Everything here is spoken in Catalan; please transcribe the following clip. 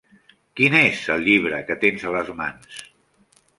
Quin és el llibre que tens a les mans?